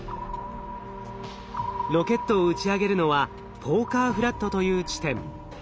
ロケットを打ち上げるのはポーカーフラットという地点。